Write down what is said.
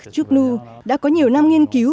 trúc nhu đã có nhiều năm nghiên cứu